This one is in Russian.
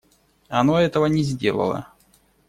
Оно этого не сделало.